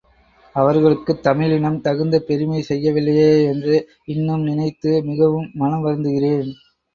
அவர்களுக்குத் தமிழ்இனம் தகுந்த பெருமை செய்ய வில்லையே என்று இன்னும் நினைத்து மிகவும் மனம் வருந்துகிறேன்.